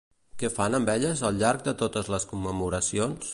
Què fan amb elles al llarg de totes les commemoracions?